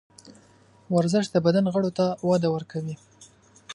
ورزش د بدن غړو ته وده ورکوي.